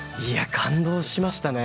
感動しましたね。